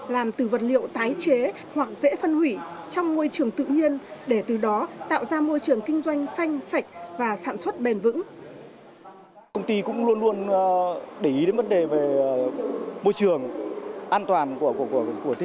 làm từ vật liệu tái chế hoặc doanh nghiệp sử dụng các loại bao bì